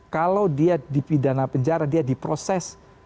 kalau dia di pidana penjara dia diproses